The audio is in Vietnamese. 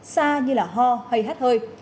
xa như là ho hay hát hơi